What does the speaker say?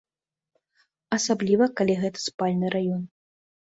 Асабліва калі гэта спальны раён.